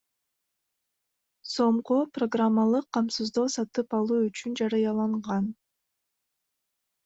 сомго программалык камсыздоо сатып алуу үчүн жарыяланган.